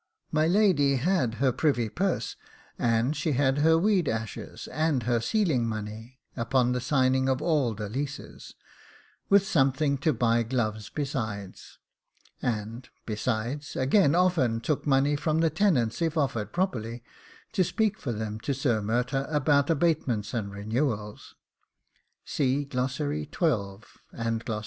My lady had her privy purse; and she had her weed ashes, and her sealing money upon the signing of all the leases, with something to buy gloves besides; and, besides, again often took money from the tenants, if offered properly, to speak for them to Sir Murtagh about abatements and renewals.